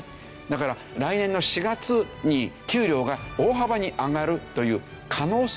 だから来年の４月に給料が大幅に上がるという可能性が出てきた。